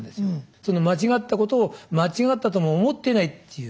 その間違ったことを間違ったとも思ってないっていう。